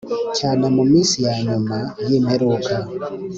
cyane mu minsi ya nyuma y imperuka